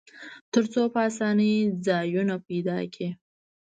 تر څو په آسانۍ ځایونه پیدا کړي.